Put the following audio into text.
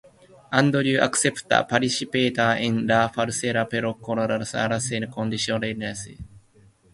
Andrew acepta participar en la farsa pero con algunas condiciones.